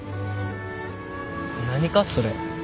何かそれ。